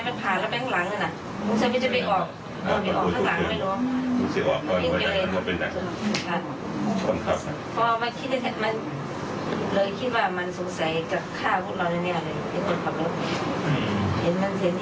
คนขับบ้านมีเมื่อก่อน